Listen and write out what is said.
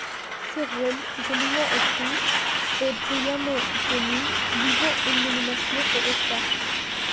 Ce rôle, joliment écrit, et brillamment tenu, lui vaut une nomination aux oscars.